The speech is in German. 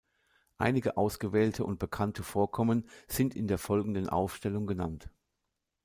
Einige ausgewählte und bekannte Vorkommen sind in der folgenden Aufstellung genannt.